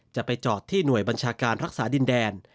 จะไปจอดที่หน่วยบัญชาการรักษาดินแดน